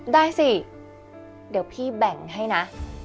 ได้สิเดี๋ยวพี่แบ่งให้นะ